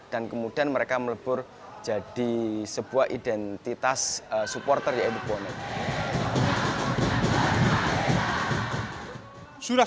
dan kemudian mereka melebur jadi sebuah identitas supporter yaitu ponet sudah